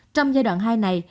trong giai đoạn hai này